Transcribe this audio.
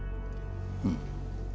うん。